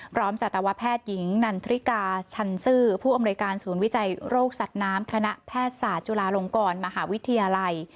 สัตวแพทย์หญิงนันทริกาชันซื่อผู้อำนวยการศูนย์วิจัยโรคสัตว์น้ำคณะแพทย์ศาสตร์จุฬาลงกรมหาวิทยาลัย